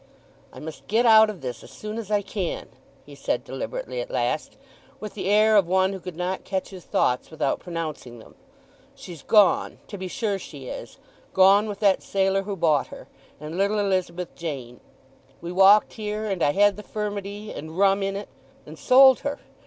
"I must get out of this as soon as I can," he said deliberately at last, with the air of one who could not catch his thoughts without pronouncing them. "She's gone—to be sure she is—gone with that sailor who bought her, and little Elizabeth Jane. We walked here, and I had the furmity, and rum in it—and sold her.